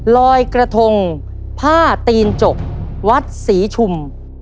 ลอยกระทงผ้าตีนจกวัดศรีชุม